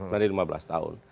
dari lima belas tahun